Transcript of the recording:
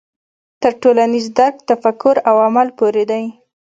تر ټولنیز درک تفکر او عمل پورې دی.